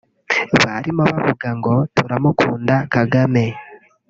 burimo ubuvuga ngo “Turagukunda Kagame”